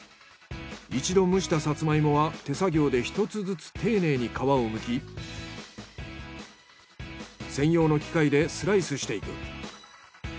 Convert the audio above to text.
一度蒸したサツマイモは手作業で１つずつ丁寧に皮をむき専用の機械でスライスしていく。